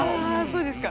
そうですか。